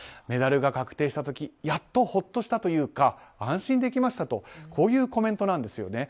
メダルが確定した時やっとほっとしたというか安心できましたとこういうコメントなんです。